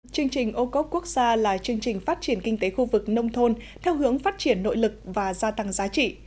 chương trình ô cốp quốc gia là chương trình phát triển kinh tế khu vực nông thôn theo hướng phát triển nội lực và gia tăng giá trị